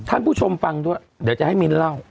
ท่านผู้ชมฟังด้วยเดี๋ยวจะให้มิ้นเล่า